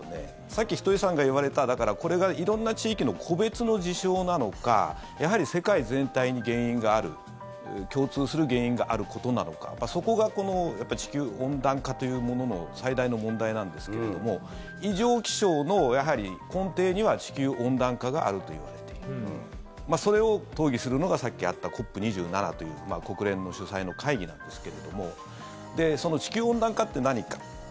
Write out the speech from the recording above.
さっき、ひとりさんが言われたこれが色んな地域の個別の事象なのかやはり世界全体に原因がある共通する原因があることなのかそこが地球温暖化というものの最大の問題なんですけれども異常気象の根底には地球温暖化があるといわれているそれを討議するのがさっきあったＣＯＰ２７という国連主催の会議なんですけどもその地球温暖化って何か。